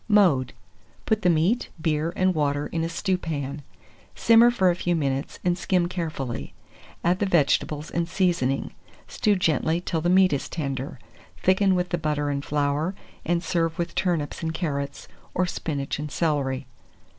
Mode. Put the meat, beer, and water in a stewpan; simmer for a few minutes, and skim carefully. Add the vegetables and seasoning; stew gently till the meat is tender. Thicken with the butter and flour, and serve with turnips and carrots, or spinach and celery.